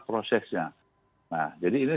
prosesnya nah jadi ini